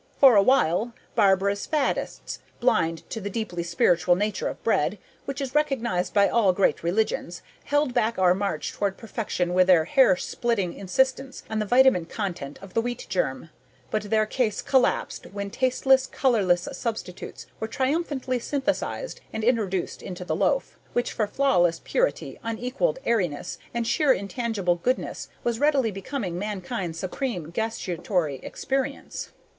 "For a while, barbarous faddists blind to the deeply spiritual nature of bread, which is recognized by all great religions held back our march toward perfection with their hair splitting insistence on the vitamin content of the wheat germ, but their case collapsed when tasteless colorless substitutes were triumphantly synthesized and introduced into the loaf, which for flawless purity, unequaled airiness and sheer intangible goodness was rapidly becoming mankind's supreme gustatory experience."